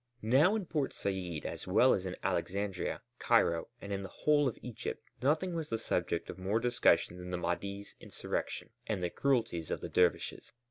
Now in Port Said as well as in Alexandria, Cairo, and in the whole of Egypt nothing was the subject of more discussion than the Mahdi's insurrection and the cruelties of the dervishes.